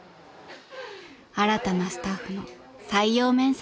［新たなスタッフの採用面接です］